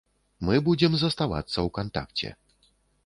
Мы будзем заставацца ў кантакце.